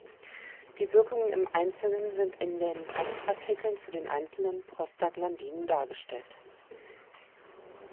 Die Wirkungen im Einzelnen sind in den Hauptartikeln zu den einzelnen Prostaglandinen dargestellt.